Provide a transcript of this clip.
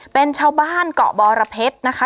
เป็นชาวบ้านเกาะบรเพชรนะคะ